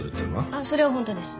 あっそれはホントです。